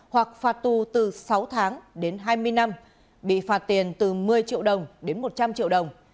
hoặc phạt tù từ sáu tháng đến hai mươi năm bị phạt tiền từ một mươi triệu đồng đến một trăm linh triệu đồng